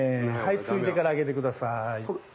ついてから上げて下さい。